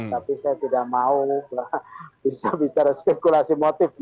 tapi saya tidak mau bisa bicara spekulasi motif